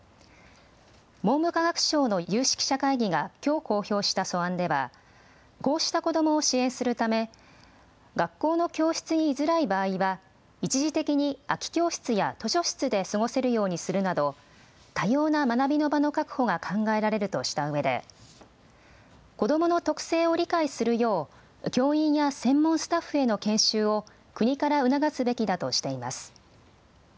文部科学省の有識者会議がきょう公表した素案ではこうした子どもを支援するため学校の教室に居づらい場合は一時的に空き教室や図書室で過ごせるようにするなど、多様な学びの場の確保が考えられるとしたうえで子どもの特性を理解するよう教員や専門スタッフへの研修を国から促すべきだとしています。